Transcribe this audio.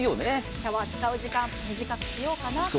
シャワー使う時間、短くしようかなと。